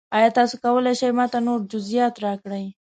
ایا تاسو کولی شئ ما ته نور جزئیات راکړئ؟